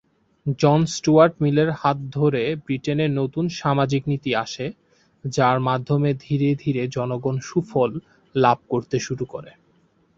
জন Stuart মিলের হাত ধরে ব্রিটেনে নতুন সামাজিক নীতি আসে, যার মাধ্যমে ধীরে ধীরে জনগণ সুফল লাভ করতে শুরু করে।